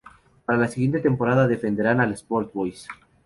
Para la siguiente temporada defenderá al Sport Boys.